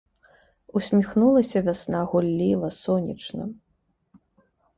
Усміхнулася вясна гулліва, сонечна.